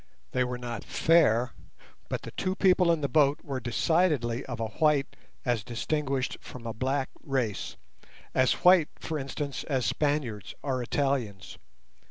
They were not fair, but the two people in the boat were decidedly of a white as distinguished from a black race, as white, for instance, as Spaniards or Italians.